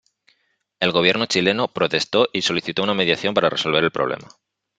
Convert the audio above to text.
El gobierno chileno protestó y solicitó una mediación para resolver el problema.